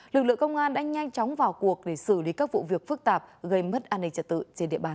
lực lượng công an đã nhanh chóng vào cuộc để xử lý các vụ việc phức tạp gây mất an ninh trật tự trên địa bàn